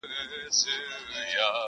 یار په مینه کي هم خوی د پښتون غواړم,